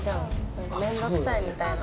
何か面倒くさいみたいな。